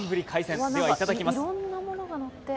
では、いただきます。